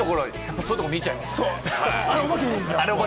そういうのを見ちゃいます。